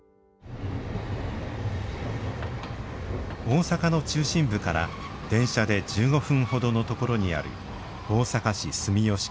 大阪の中心部から電車で１５分ほどのところにある大阪市住吉区。